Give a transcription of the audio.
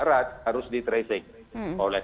erat harus di tracing oleh